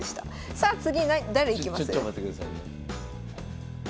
さあ次誰いきます？